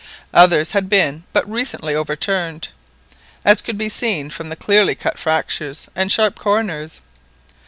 Others had been but recently overturned, as could be seen from the clearly cut fractures and sharp corners.